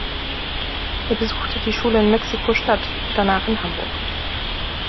Er besuchte die Schule in Mexiko-Stadt, danach in Hamburg.